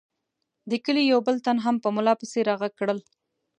د کلي یو بل تن هم په ملا پسې را غږ کړل.